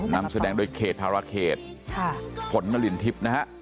นำแสดงโดยเขตธาราเขตฝนมรินทิพย์นะฮะ